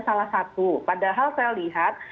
salah satu padahal saya lihat